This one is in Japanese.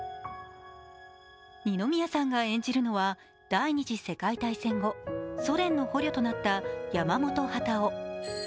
二宮さんが演じるのは第二次世界大戦後、ソ連の捕虜となった山本幡男。